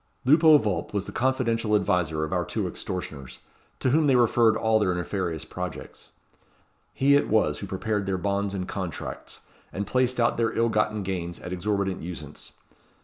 Lupo Vulp was the confidential adviser of our two extortioners, to whom they referred all their nefarious projects. He it was who prepared their bonds and contracts, and placed out their ill gotten gains at exorbitant usance.